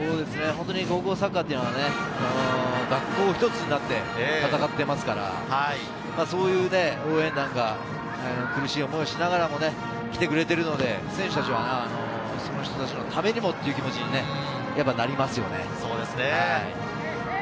高校サッカーというのは学校が一つになって戦っていますから、そういう応援団が苦しい思いをしながら来てくれているので、選手達はその人達のためにもという気持ちになりますよね。